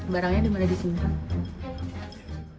barangnya dimana disini